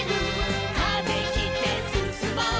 「風切ってすすもう」